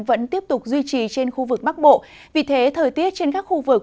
vẫn tiếp tục duy trì trên khu vực bắc bộ vì thế thời tiết trên các khu vực